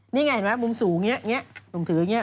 นี่ไงมุมสูงอย่างนี้ถือยังเงี้ย